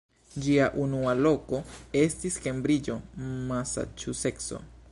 Ĝia unua loko estis Kembriĝo, Masaĉuseco.